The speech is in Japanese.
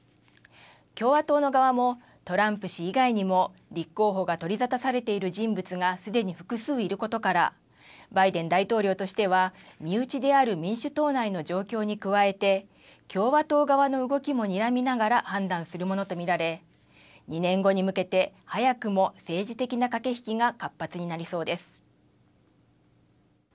共和党の側もトランプ氏以外にも立候補が取り沙汰されている人物がすでに複数いることからバイデン大統領としては身内である民主党内の状況に加えて共和党側の動きもにらみながら判断するものと見られ２年後に向けて早くも政治的な駆け引きが活発になりそうです。